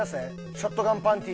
ショットガンパンティ。